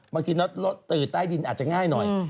บางทีรถตื่นใต้ดินอาจจะง่ายหน่อย